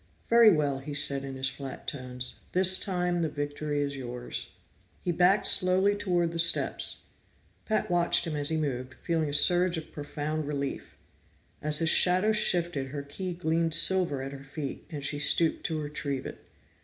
"Very well," he said in his flat tones. "This time the victory is yours." He backed slowly toward the steps. Pat watched him as he moved, feeling a surge of profound relief. As his shadow shifted, her key gleamed silver at her feet, and she stooped to retrieve it.